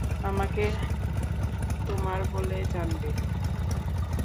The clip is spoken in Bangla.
আমাকে তোমার বলে জানবে।